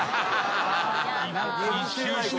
１周してね。